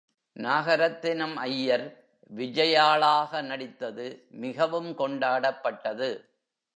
நாகரத்தினம் ஐயர் விஜயாளாக நடித்தது மிகவும் கொண்டாடப்பட்டது.